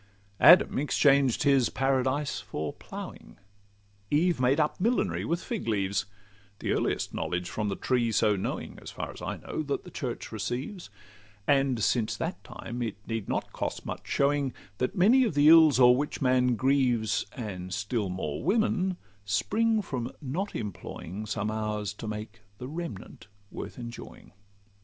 Adam exchanged his Paradise for ploughing, Eve made up millinery with fig leaves— The earliest knowledge from the tree so knowing, As far as I know, that the church receives: And since that time it need not cost much showing, That many of the ills o'er which man grieves, And still more women, spring from not employing Some hours to make the remnant worth enjoying.